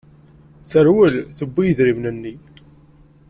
Terwel, tewwi idrimen-nni.